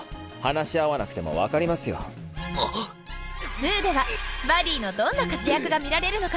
「２」ではバディのどんな活躍が見られるのか。